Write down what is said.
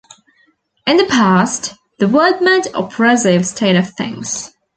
In the past, the word meant oppressive state of things.